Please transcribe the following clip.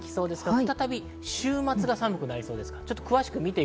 再び週末が寒くなりそうです。